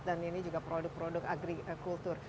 dan ini juga produk produk agrikultur